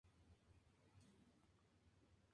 Es la personificación de la muerte.